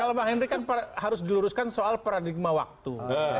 kalau bang henry kan harus diluruskan soal paradigma waktu